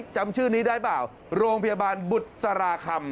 จำชื่อนี้ได้เปล่าโรงพยาบาลบุษราคำ